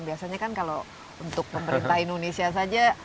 biasanya kan kalau untuk pemerintah indonesia saja